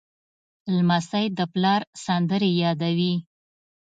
لمسی د پلار سندرې یادوي.